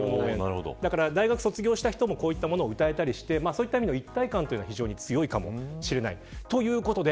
だから、大学を卒業した人もこういったものを歌えたりして一体感が非常に強いかもしれないということで